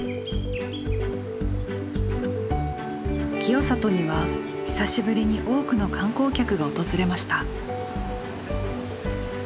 清里には久しぶりに多くの観光客が訪れました。